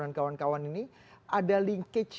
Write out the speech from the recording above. dan kawan kawan ini ada linkage